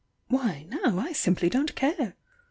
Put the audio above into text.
Why now I simply don't care!